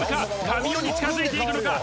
神尾に近づいていくのか？